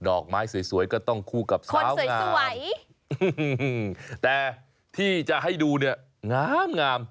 อกไม้สวยก็ต้องคู่กับสาวงามสวยแต่ที่จะให้ดูเนี่ยงาม